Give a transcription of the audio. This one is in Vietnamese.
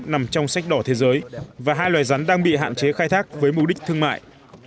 nằm trong sách đỏ thế giới và hai loài rắn đang bị hạn chế khai thác với mục đích thương mại